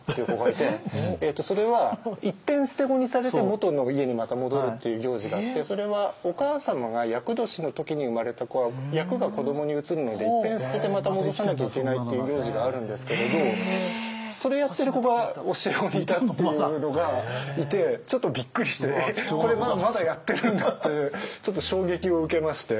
それはいっぺん捨て子にされて元の家にまた戻るっていう行事があってそれはお母様が厄年の時に生まれた子は厄が子どもに移るのでいっぺん捨ててまた戻さなきゃいけないっていう行事があるんですけれどそれやってる子が教え子にいたっていうのがいてちょっとびっくりしてこれまだやってるんだってちょっと衝撃を受けまして。